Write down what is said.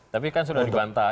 tapi kan sudah dibantah